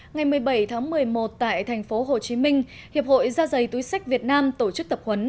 ngày một mươi bảy tháng một mươi một tại thành phố hồ chí minh hiệp hội gia dày túi sách việt nam tổ chức tập huấn